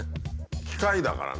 機械だからね。